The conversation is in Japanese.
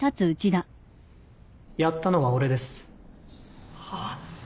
やったのは俺です。